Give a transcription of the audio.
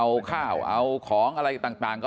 มันต้องการมาหาเรื่องมันจะมาแทงนะ